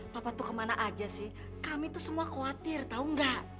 papa tuh kemana aja sih kami tuh semua khawatir tau gak